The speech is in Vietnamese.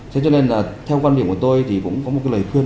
cái điểm của tôi thì cũng có một lời khuyên